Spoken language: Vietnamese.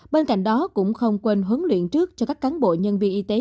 bên cạnh đó cũng không quên huấn luyện trước cho các cán bộ nhân viên y tế